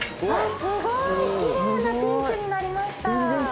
きれいなピンクになりました。